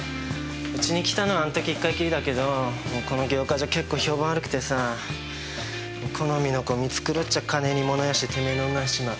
うちに来たのはあの時１回きりだけどこの業界じゃ結構評判悪くてさ好みの子見繕っちゃ金に物言わせててめえの女にしちまう。